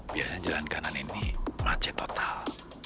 biasanya jalan kanan ini macet total